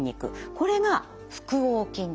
これが腹横筋です。